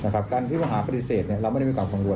การที่ต้องหากฆาติเศษเราไม่ได้มีกรับกับตรวจ